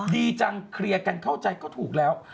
ดีจังเคลียร์กันเข้าใจก็ถูกแล้ว